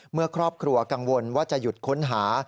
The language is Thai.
เมื่อครอบครัวกังวลว่าจะหยุดค้นหา